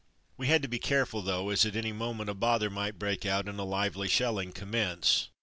Monfalcone 225 We had to be careful, though, as at any moment a bother might break out and a lively shelling commence.